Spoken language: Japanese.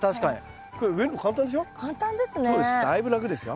簡単ですね。